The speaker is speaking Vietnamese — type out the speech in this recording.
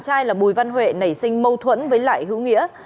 trai là bùi văn huệ nảy sinh mâu thuẫn với lại hữu nghĩa